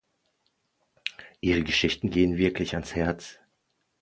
Ihre Geschichten gehen wirklich ans Herz.